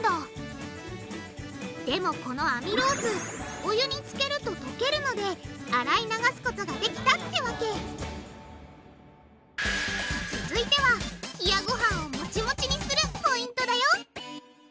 でもこのアミロースお湯につけると溶けるので洗い流すことができたってわけ続いては冷やごはんをモチモチにするポイントだよ。